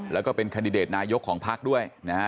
แล้วก็เป็นคันดิเดตนายกของพักด้วยนะฮะ